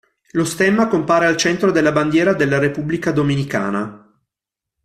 Lo stemma compare al centro della bandiera della Repubblica Dominicana.